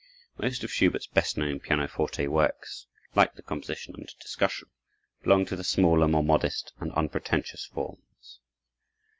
Most of Schubert's best known pianoforte works, like the composition under discussion, belong to the smaller, more modest, and unpretentious forms.